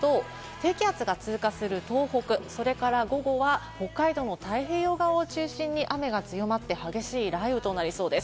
低気圧が通過する東北、それから午後は北海道の太平洋側を中心に雨が強まって激しい雷雨となりそうです。